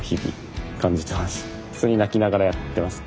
普通に泣きながらやってます。